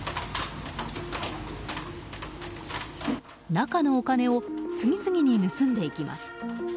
中のお金を次々に盗んでいきます。